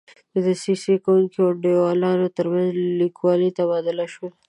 د دسیسه کوونکو او انډیوالانو ترمنځ لیکونه تبادله شول.